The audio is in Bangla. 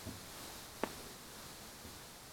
নিন, পানি নিন।